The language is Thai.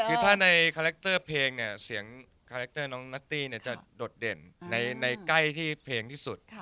คือถ้าในคาแรคเตอร์เพลงเนี่ยเสียงคาแรคเตอร์น้องนัตตี้จะโดดเด่นในใกล้ที่เพลงที่สุด